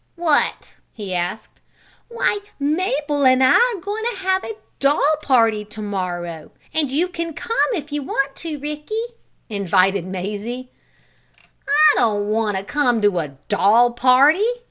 "What?" he asked. "Why Mabel and I are goin' to have a doll party to morrow, and you can come to it if you want to, Ricky!" invited Mazie. "I don't want to come to a doll party!"